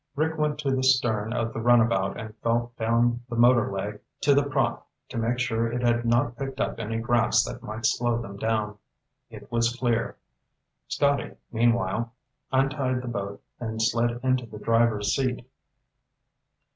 Rick went to the stern of the runabout and felt down the motor leg to the prop to make sure it had not picked up any grass that might slow them down. It was clear. Scotty, meanwhile, untied the boat and slid into the driver's seat.